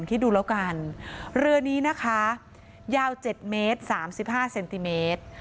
คิดดูแล้วกันเรือนี้นะคะยาว๗เมตร๓๕เซนติเมตร